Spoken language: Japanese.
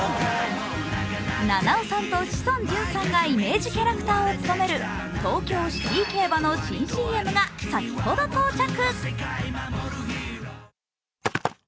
菜々緒さんと志尊淳さんがイメージキャラクターを務める東京シティ競馬の新ＣＭが先ほど到着。